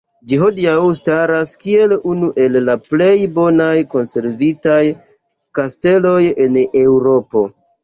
Ĝi hodiaŭ staras kiel unu el la plej bonaj konservitaj kasteloj en Eŭropo.